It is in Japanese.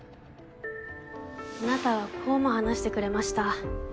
あなたはこうも話してくれました。